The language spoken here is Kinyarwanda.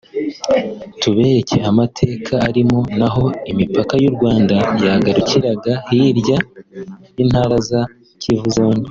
tubereka amateka arimo n’aho imipaka y’u Rwanda yagarukiraga hirya y’intara za za Kivu zombi